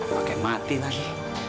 pakai mati lagi